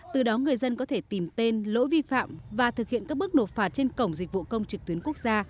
từ đó người dân có thể tìm tên lỗi vi phạm và thực hiện các bước nộp phạt trên cổng dịch vụ công trực tuyến quốc gia